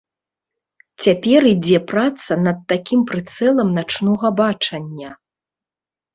Цяпер ідзе праца над такім прыцэлам начнога бачання.